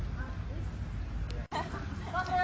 สวัสดีครับพี่น้ำ